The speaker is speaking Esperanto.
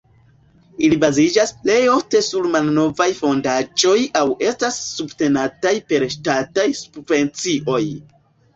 Ili baziĝas plejofte sur malnovaj fondaĵoj aŭ estas subtenataj per ŝtataj subvencioj.